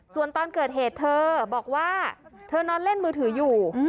ส่วนตอนเกิดเหตุเธอบอกว่าเธอนอนเล่นมือถืออยู่